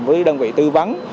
với đơn vị tư vấn